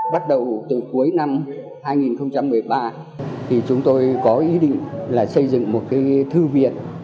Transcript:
bắt đầu từ cuối năm hai nghìn một mươi ba thì chúng tôi có ý định là xây dựng một cái thư viện